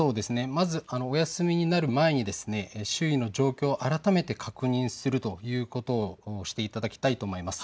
まずお休みになる前に周囲の状況を改めて確認するということをしていただきたいと思います。